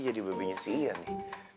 jadi bebinya si iyan nih